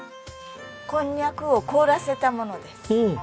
こんにゃくを凍らせたものです。